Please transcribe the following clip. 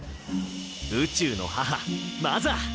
宇宙の母マザー。